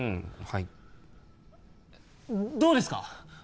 はいどうですか？